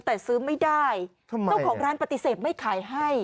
แต่ซื้อไม่ได้เจ้าของร้านปฏิเสธไม่ขายให้